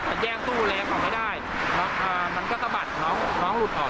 มันแย่งตู้อะไรอย่างนั้นไม่ได้มันก็ตะบัดน้องหลุดออก